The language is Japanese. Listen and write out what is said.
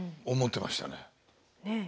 思ってましたね。